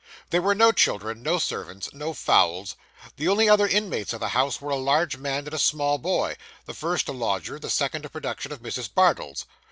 There were no children, no servants, no fowls. The only other inmates of the house were a large man and a small boy; the first a lodger, the second a production of Mrs. Bardell's.